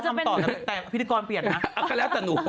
นะ๘๐๐๐๐๒พิธีกรเปลี่ยนนะ